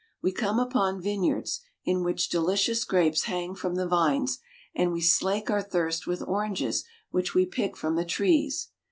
We come upon vine yards, in which deli cious grapes hang from the vines, and we slake our thirst with oranges which we pick from the trees.